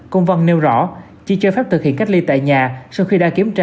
công văn nêu rõ chỉ cho phép thực hiện cách ly tại nhà sau khi đã kiểm tra